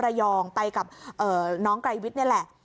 ระยองไปกับน้องไกรวิทย์นี่แหละ